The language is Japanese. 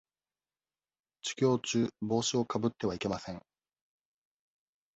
授業中、帽子をかぶってはいけません。